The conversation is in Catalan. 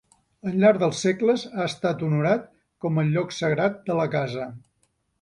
Al llarg dels segles ha estat honorat com el lloc sagrat de la casa.